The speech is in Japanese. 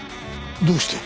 どうして？